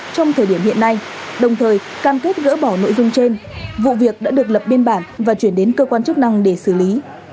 trong thời điểm hiện nay đồng thời cam kết gỡ bỏ nội dung trên vụ việc đã được lập biên bản và chuyển đến cơ quan chức năng để xử lý